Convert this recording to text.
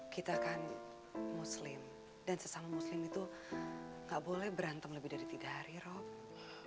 kita kan muslim dan sesama muslim itu gak boleh berantem lebih dari tiga hari rob